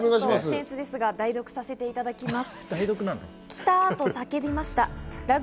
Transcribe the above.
僭越ですが代読させていただきます。